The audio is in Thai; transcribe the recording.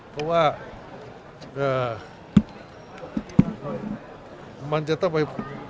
เพราะว่ามันจะต้องไป